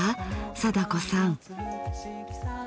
貞子さん。